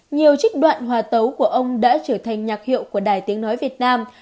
nhiều trích đoạn hòa tấu của ông đã trở thành nhạc hiệu của đài tiếng nói việt nam